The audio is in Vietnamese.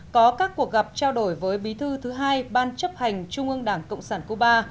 có các cuộc gặp trao đổi với bí thư thứ hai ban chấp hành trung ương đảng cộng sản cuba